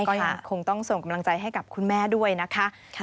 ก็ยังคงต้องส่งกำลังใจให้กับคุณแม่ด้วยนะคะ